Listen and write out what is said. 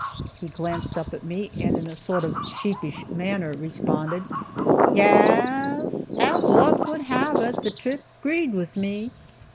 He glanced up at me, and in a sort of sheepish manner responded: "Ya a ss. As luck would have it, the trip 'greed with me."